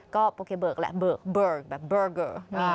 ก็โปเกเบิร์กแหละเบิร์กแบบเบอร์เกอร์